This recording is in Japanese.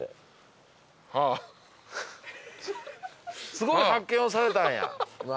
すごい発見をされたんや。